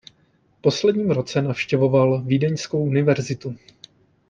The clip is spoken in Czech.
V posledním roce navštěvoval Vídeňskou univerzitu.